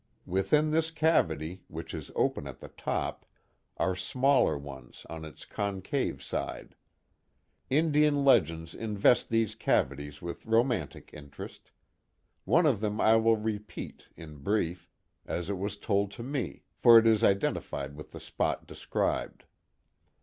Within this cavity, which is open at the top, are smaller ones on its concave side. Indian legends invest these cavities with romantic interest. One of them I will repeat, in brief, as it was told to me, for it is identified with the spot described.